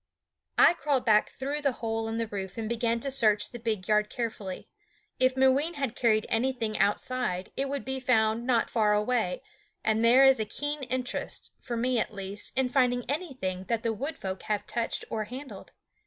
I crawled back through the hole in the roof and began to search the big yard carefully. If Mooween had carried anything outside, it would be found not far away; and there is a keen interest, for me at least, in finding anything that the Wood Folk have touched or handled.